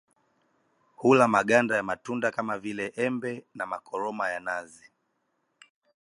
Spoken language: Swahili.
Hula maganda ya matunda kama vile Embe na makoroma ya nazi